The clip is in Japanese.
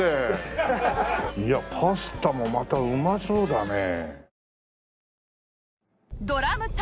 いやパスタもまたうまそうだね。